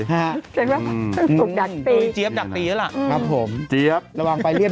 เห็นไหมดักตีเจี๊ยบดักตีแล้วล่ะครับผมเจี๊ยบระวังไปเรียบ